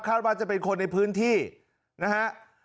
คราวรอบราชจะเป็นคนในพื้นที่นะฮะ